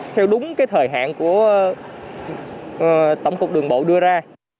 theo đúng thời hạn của tổng cục đường bộ đưa ra